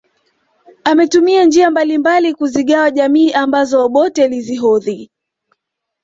Ametumia njia mbalimbali kuzigawa jamii ambazo Obote alizihodhi